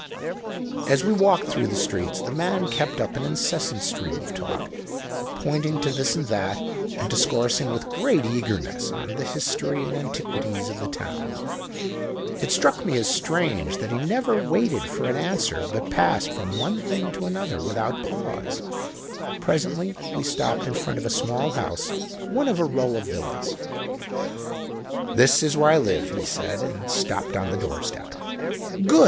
"As we walked through the streets the man kept up an incessant stream of talk, pointing to this and that, and discoursing with great eagerness on the history and antiquities of the town. It struck me as strange that he never waited for any answer but passed from one thing to another without a pause. Presently we stopped in front of a small house, one of a row of villas. "'This is where I live,' he said, and stopped on the doorstep. "'Good!'